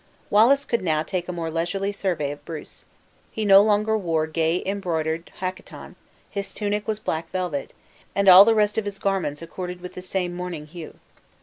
Wallace could now take a more leisurely survey of Bruce. He no longer wore gay embroidered hacqueton; his tunic was black velvet, and all the rest of his garments accorded with the same mourning hue.